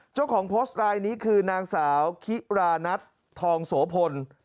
เจ้าของโพสต์รายนี้คือนางสาวคิรานัททองโสพล